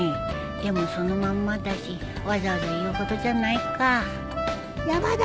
でもそのまんまだしわざわざ言うほどじゃないか山だ！